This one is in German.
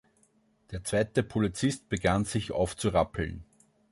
Der zweite Polizist begann, sich aufzurappeln.